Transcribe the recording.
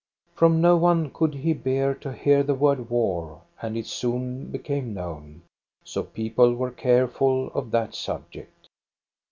From no one could he bear to hear the word war, and it soon became known. So people were careful of that subject.